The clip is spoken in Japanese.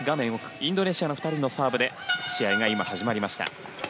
インドネシアの２人のサーブで試合が始まりました。